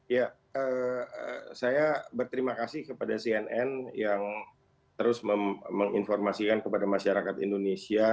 ya saya berterima kasih kepada cnn yang terus menginformasikan kepada masyarakat indonesia